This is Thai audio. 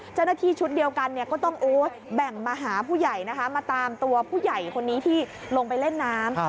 เจ้าหน้าที่ชุดเดียวกันก็ต้องแบ่งมาหาผู้ใหญ่นะคะมาตามตัวผู้ใหญ่คนนี้ที่ลงไปเล่นน้ำ